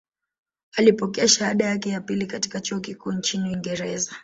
Alipokea shahada yake ya pili katika chuo kikuu nchini Uingereza